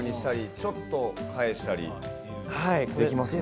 ちょっと返したりできますね。